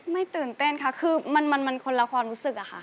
ตื่นเต้นค่ะคือมันคนละความรู้สึกอะค่ะ